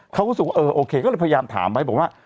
เขาก็รู้สึกว่าเออโอเคก็เลยพยายามถามไว้บอกว่า